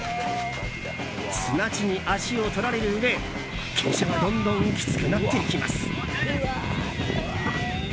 砂地に足を取られるうえ、傾斜がどんどんきつくなっていきます。